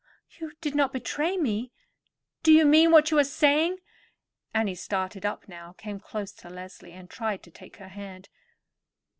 "You did not betray me? Do you mean what you are saying?" Annie started up now, came close to Leslie, and tried to take her hand.